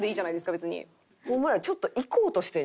別に。